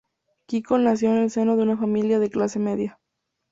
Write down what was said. Kiko nació en el seno de una familia de clase media.